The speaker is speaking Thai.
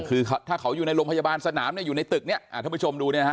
คือถ้าเขาอยู่ในโรงพยาบาลสนามเนี่ยอยู่ในตึกเนี่ยท่านผู้ชมดูเนี่ยฮ